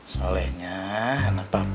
seolahnya anak papa